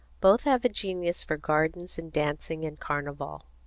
Both have a genius for gardens and dancing and carnival.